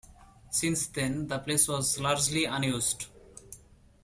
Since then, the palace was largely unused.